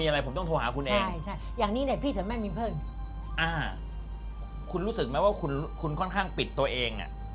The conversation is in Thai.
เห็นไหมว่าคุณค่อนข้างปิดตัวเอง